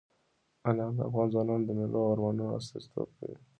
انار د افغان ځوانانو د هیلو او ارمانونو استازیتوب کوي.